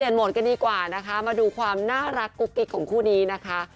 เปลี่ยนโมล์นกันดีกว่านะคะมาดูความน่ารักกุ๊กกี้ของคู่นี้นะคะ